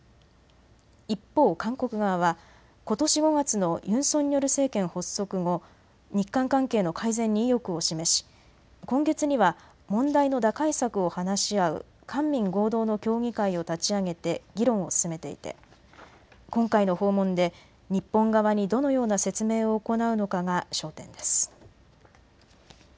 一方、韓国側はことし５月のユン・ソンニョル政権発足後、日韓関係の改善に意欲を示し今月には問題の打開策を話し合う官民合同の協議会を立ち上げて議論を進めていて今回の訪問で日本側にどのような説明を行うのかが焦点です。